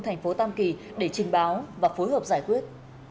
thành phố tam kỳ để trình báo và phối hợp giải quyết